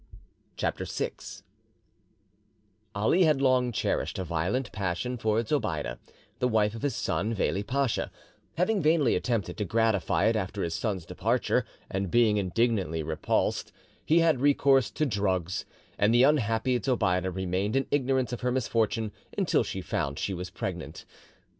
CHAPTER VI Ali had long cherished a violent passion for Zobeide, the wife of his son Veli Pacha: Having vainly attempted to gratify it after his son's departure, and being indignantly repulsed, he had recourse to drugs, and the unhappy Zobeide remained in ignorance of her misfortune until she found she was pregnant.